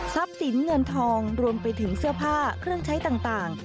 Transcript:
สินเงินทองรวมไปถึงเสื้อผ้าเครื่องใช้ต่าง